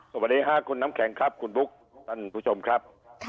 สวัสดีค่ะคุณน้ำแข็งครับคุณบุ๊คท่านผู้ชมครับ